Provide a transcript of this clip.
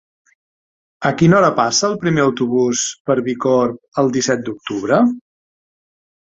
A quina hora passa el primer autobús per Bicorb el disset d'octubre?